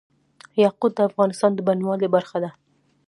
یاقوت د افغانستان د بڼوالۍ برخه ده.